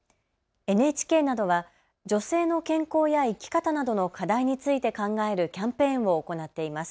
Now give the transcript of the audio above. ＮＨＫなどは女性の健康や生き方などの課題について考えるキャンペーンを行っています。